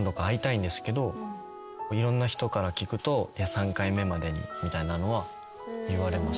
いろんな人から聞くと３回目までにみたいなのは言われます。